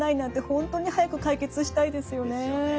本当に早く解決したいですよね。